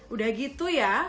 udah gitu ya